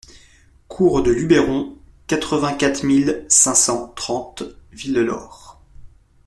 Cours du Luberon, quatre-vingt-quatre mille cinq cent trente Villelaure